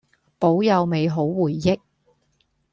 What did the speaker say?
保有美好回憶